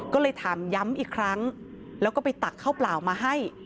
ก็เลยถามย้ำอีกครั้งแล้วก็ไปตักข้าวเปล่ามาให้